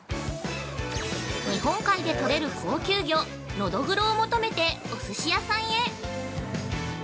◆日本海でとれる高級魚「のどぐろ」を求めておすし屋さんへ。